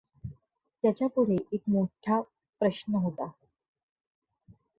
त्याच्यापुढे एक मोठा प्रष्ण होता.